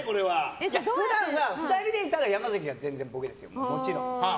普段は２人でいたら山崎が全然ボケですよ、もちろん。